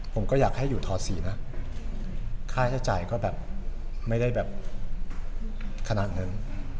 ผมก็อยากให้อยู่ท๔นะค่าใช้จ่ายก็แบบไม่ได้แบบขนาดนั้น